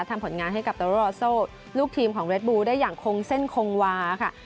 ทำผลงานให้กับโตรอโซลูกทีมของเวทบูได้อย่างคงเส้นคงวาค่ะ